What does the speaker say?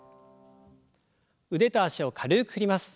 腕と脚を軽く振ります。